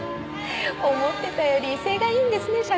思ってたより威勢がいいんですね